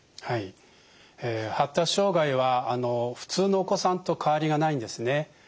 はい発達障害は普通のお子さんと変わりがないんですね。